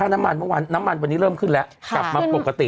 น้ำมันวันนี้เริ่มขึ้นแล้วกลับมาปกติ